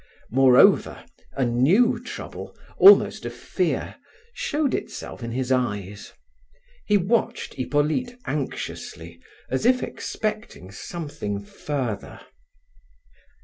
Moreover, a new trouble, almost a fear, showed itself in his eyes; he watched Hippolyte anxiously as if expecting something further.